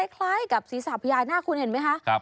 คล้ายกับศีรษะพญานาคคุณเห็นไหมคะ